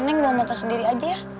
neng bawa motor sendiri aja ya